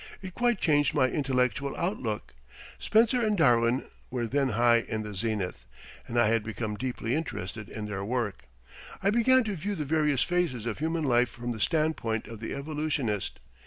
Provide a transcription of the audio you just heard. It quite changed my intellectual outlook. Spencer and Darwin were then high in the zenith, and I had become deeply interested in their work. I began to view the various phases of human life from the standpoint of the evolutionist.